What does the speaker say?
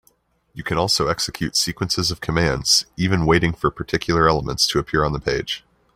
You can also execute sequences of commands, even waiting for particular elements to appear in the page.